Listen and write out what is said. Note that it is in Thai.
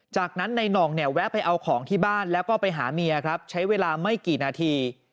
จากนั้นในหน่องเนี่ยแวะไปเอาของที่บ้านแล้วก็ไปหาเมียครับใช้เวลาไม่กี่นาที